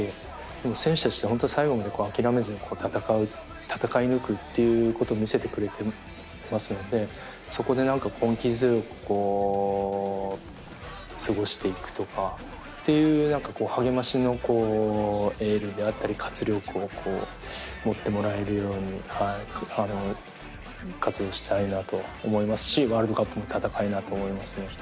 でも選手たちって本当に最後まで諦めずに戦う戦い抜くっていうことを見せてくれてますのでそこで何か根気強く過ごしていくとかっていう何か励ましのエールであったり活力を持ってもらえるように活動したいなと思いますしワールドカップも戦いたいなと思いますので。